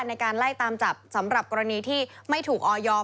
ในการไล่ตามจับสำหรับกรณีที่ไม่ถูกออยอม